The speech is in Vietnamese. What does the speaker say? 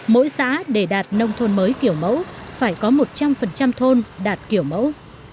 mỗi xã để đạt nông thôn mới kiểu mẫu phải có một trăm linh thôn đạt kiểu mẫu